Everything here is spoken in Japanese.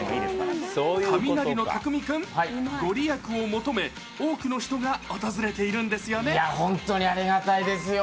カミナリのたくみ君、御利益を求め、多くの人が訪れているんですいや、本当にありがたいですよ。